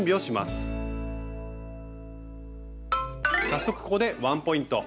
早速ここでワンポイント。